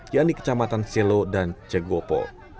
yang di kecamatan selau dan cegopo